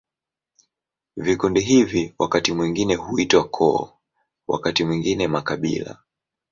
Vikundi hivi wakati mwingine huitwa koo, wakati mwingine makabila.